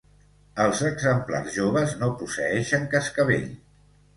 Els exemplars joves no posseeixen cascavell.